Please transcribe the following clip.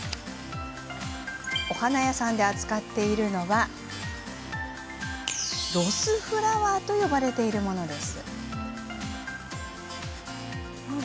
お花屋さんで扱っているのはこちら、ロスフラワーと呼ばれているものなんです。